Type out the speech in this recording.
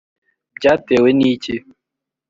byatewe n’iki?